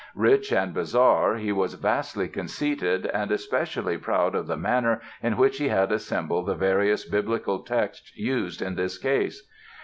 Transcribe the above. Rich and bizarre, he was vastly conceited and especially proud of the manner in which he had assembled the various Biblical texts used in this case.